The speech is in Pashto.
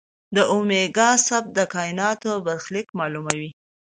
د اومېګا ثابت د کائنات برخلیک معلوموي.